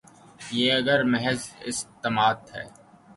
اگر یہ محض استنباط ہے۔